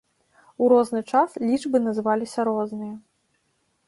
У розны час лічбы называліся розныя.